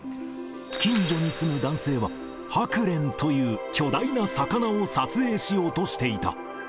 近所に住む男性は、ハクレンという巨大な魚を撮影しようとしていた。